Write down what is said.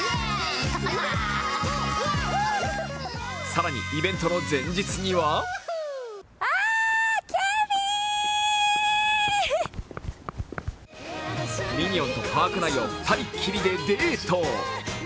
更にイベントの前日にはミニオンとパーク内を２人っきりでデート。